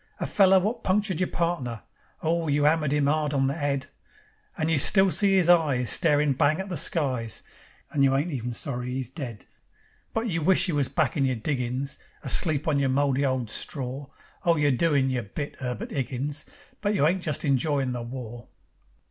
A feller wot punctured your partner; Oh, you 'ammered 'im 'ard on the 'ead, And you still see 'is eyes Starin' bang at the skies, And you ain't even sorry 'e's dead. But you wish you was back in your diggin's Asleep on your mouldy old stror. Oh, you're doin' yer bit, 'Erbert 'Iggins, But you ain't just enjoyin' the war."